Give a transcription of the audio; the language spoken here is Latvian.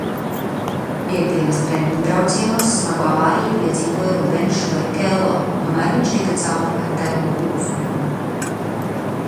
Piektdienas treniņbraucienos smagu avāriju piedzīvoja Rubenšs Barikello, tomēr viņš tika cauri ar deguna lūzumu.